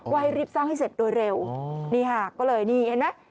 ให้รีบสร้างให้เสร็จโดยเร็วนี่ค่ะก็เลยนี่เห็นไหม